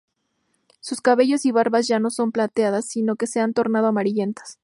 Sus cabellos y barbas ya no son plateadas, sino que se han tornado amarillentas.